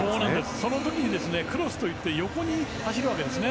その時に、クロスといって横に走るわけですね。